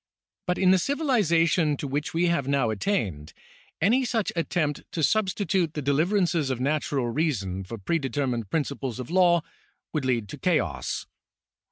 But in the civilisation to which we have now attained, any such § 9] CIVIL LAW 21 attempt to substitute the deliverances of natural reason for predetermined principles of law would lead to chaos.